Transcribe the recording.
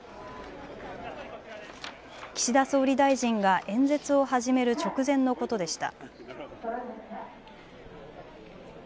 岸田総理大臣が演説を始める直前のことでした。